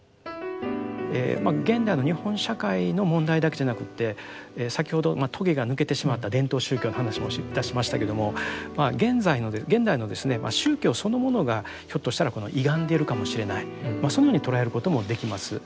現代の日本社会の問題だけじゃなくって先ほど棘が抜けてしまった伝統宗教の話もいたしましたけども現代の宗教そのものがひょっとしたら歪んでいるかもしれないそのように捉えることもできます。